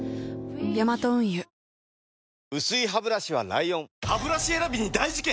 ヤマト運輸薄いハブラシは ＬＩＯＮハブラシ選びに大事件！